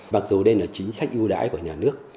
mặc dù đây là chính sách ưu đãi của nhà nước